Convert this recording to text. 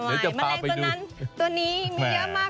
แมลงตัวนั้นตัวนี้มีเยอะมาก